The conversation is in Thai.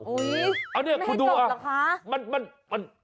อุ๊ยไม่ให้จบเหรอคะอันนี้คุณดูมัน